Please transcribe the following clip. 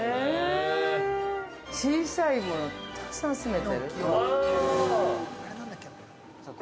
◆小さいもの、たくさん集めてる。